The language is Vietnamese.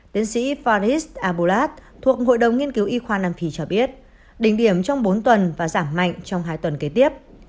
tiến sĩ fordis abulat thuộc hội đồng nghiên cứu y khoa nam phi cho biết đỉnh điểm trong bốn tuần và giảm mạnh trong hai tuần kế tiếp